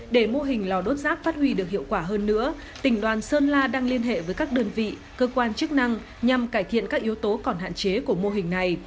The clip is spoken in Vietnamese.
để mô hình lò đốt rác phát huy được hiệu quả hơn nữa tỉnh đoàn sơn la đang liên hệ với các đơn vị cơ quan chức năng nhằm cải thiện các yếu tố còn hạn chế của mô hình này